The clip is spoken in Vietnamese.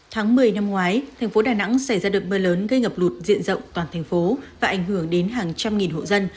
tháng một mươi năm ngoái thành phố đà nẵng xảy ra đợt mưa lớn gây ngập lụt diện rộng toàn thành phố và ảnh hưởng đến hàng trăm nghìn hộ dân